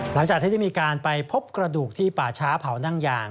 หลังจากที่ได้มีการไปพบกระดูกที่ป่าช้าเผานั่งยาง